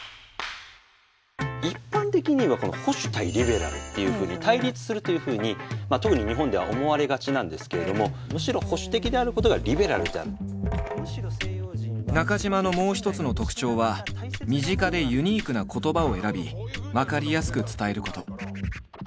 一般的に言えばこの「保守対リベラル」っていうふうに対立するというふうに特に日本では思われがちなんですけれどもむしろ中島のもう一つの特徴は身近でユニークな言葉を選び分かりやすく伝えること。